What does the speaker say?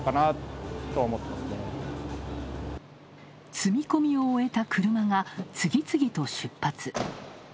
積み込みを終えた車が次々と出発。